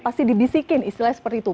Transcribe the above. pasti dibisikin istilahnya seperti itu